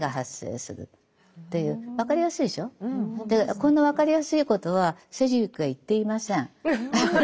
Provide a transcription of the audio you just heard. こんな分かりやすいことはセジウィックは言っていません。